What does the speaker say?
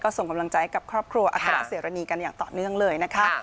ก็ส่งกำลังใจกับครอบครัวอักราศเศรียรณีกันอย่างต่อเนื่องเลย